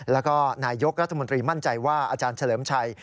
แล้วก็นายยกรัฐมนตรีมั่นใจว่าอาจารย์เฉลิมชัย